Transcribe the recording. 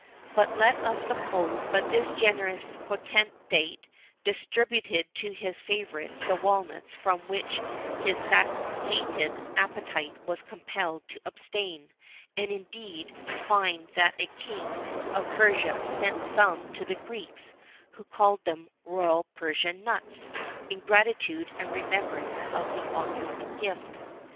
But let us suppose that this generous potentate distributed to his favourites the walnuts from which his satiated appetite was compelled to abstain; and, indeed, we find that a king of Persia sent some to the Greeks, who called them "Royal Persian nuts,"[XIV 13] in gratitude and remembrance of the august gift.